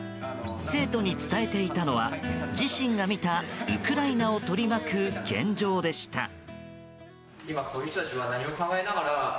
生徒に伝えていたのは自身が見たウクライナを取り巻く現状でした。